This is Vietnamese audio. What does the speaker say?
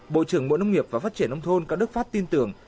bộ trưởng bộ nông nghiệp và phát triển nông thôn cao đức pháp tin tưởng